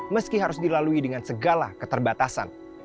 meski harus dilalui dengan segala keterbatasan